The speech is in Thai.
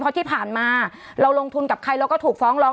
เพราะที่ผ่านมาเราลงทุนกับใครเราก็ถูกฟ้องร้อง